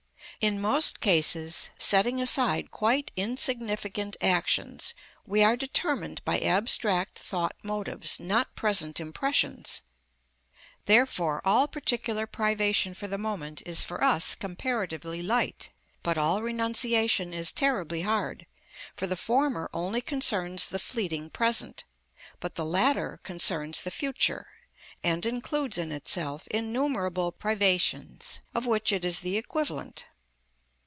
In most cases, setting aside quite insignificant actions, we are determined by abstract, thought motives, not present impressions. Therefore all particular privation for the moment is for us comparatively light, but all renunciation is terribly hard; for the former only concerns the fleeting present, but the latter concerns the future, and includes in itself innumerable privations, of which it is the equivalent.